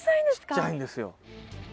ちっちゃいんですよ。